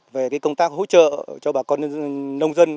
về công tác hỗ trợ cho bà con nông dân